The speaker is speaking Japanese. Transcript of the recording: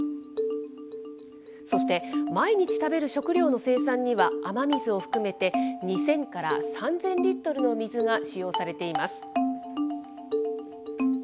そして毎日食べる食料の生産には雨水を含めて、２０００から３０００リットルの水が使用されています。